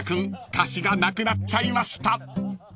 貸しがなくなっちゃいました］